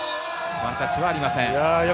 ワンタッチはありません。